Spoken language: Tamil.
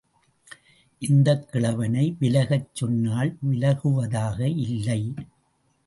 இந்தக்கிழவனை விலகச் சொன்னால் விலகுவதாக இல்லை.